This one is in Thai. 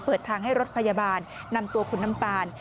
เปิดทางให้รถพยาบาลนำตัวคุณน้ำตาล